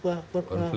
mulai ada konflik